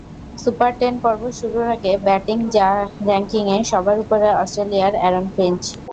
Super ten পর্ব শুরুর আগে ব্যাটিং র্যা ঙ্কিংয়ে সবার ওপরে অস্ট্রেলিয়ার অ্যারন ফিঞ্চ।